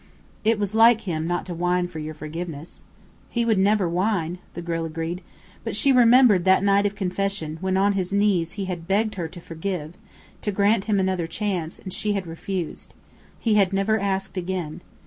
"It was like him not to whine for your forgiveness." "He would never whine," the girl agreed. But she remembered that night of confession when on his knees he had begged her to forgive, to grant him another chance, and she had refused. He had never asked again.